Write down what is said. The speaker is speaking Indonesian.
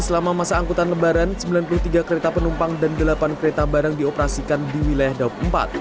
selama masa angkutan lebaran sembilan puluh tiga kereta penumpang dan delapan kereta barang dioperasikan di wilayah daup empat